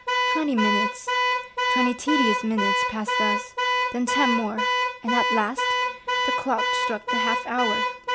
Twenty minutes, twenty tedious minutes, passed thus, then ten more, and at last the clock struck the half hour.